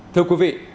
thưa quý vị